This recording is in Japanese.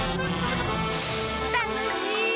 たのしい！